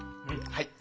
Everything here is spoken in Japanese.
はい。